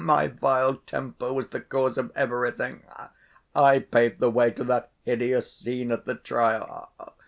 Oh, my vile temper was the cause of everything! I paved the way to that hideous scene at the trial.